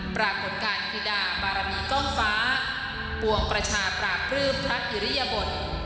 ปรากฏการณ์ฮิดาบารมีกล้องฟ้าปวงประชาปราบปลื้มพระอิริยบท